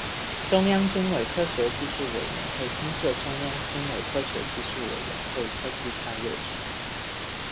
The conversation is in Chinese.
中央军委科学技术委员会新设中央军委科学技术委员会科技战略局。